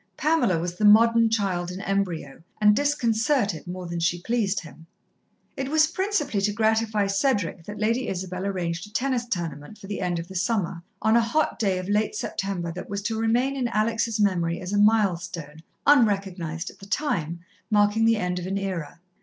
Pamela was the modern child in embryo, and disconcerted more than she pleased him. It was principally to gratify Cedric that Lady Isabel arranged a tennis tournament for the end of the summer, on a hot day of late September that was to remain in Alex' memory as a milestone, unrecognized at the time, marking the end of an era.